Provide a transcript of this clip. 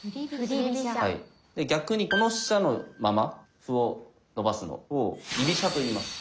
逆にこの飛車のまま歩をのばすのを「居飛車」といいます。